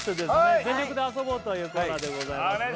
全力で遊ぼうというコーナーでございます